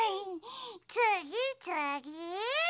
つぎつぎ！